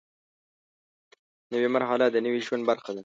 نوې مرحله د نوي ژوند برخه ده